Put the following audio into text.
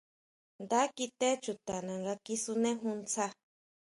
Nda kité chutana nga kisunejún ndsa.